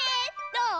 どう？